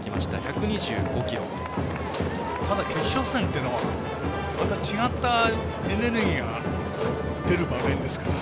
ただ、決勝戦っていうのはまた違ったエネルギーが出る場面ですから。